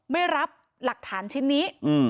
ไม่รับหลักฐานชิ้นนี้